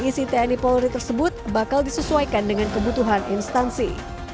untuk pengisian jabatan asn yang diisi tni pori tersebut bakal disesuaikan dengan kebutuhan instansi